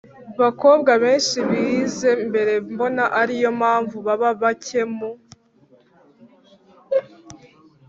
bakobwa benshi bize mbere mbona ari yo mpamvu baba bake mu